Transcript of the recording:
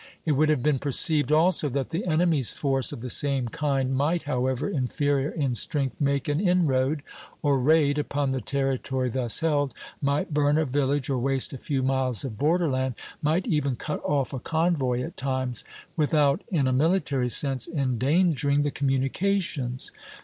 It would have been perceived, also, that the enemy's force of the same kind might, however inferior in strength, make an inroad, or raid, upon the territory thus held, might burn a village or waste a few miles of borderland, might even cut off a convoy at times, without, in a military sense, endangering the communications.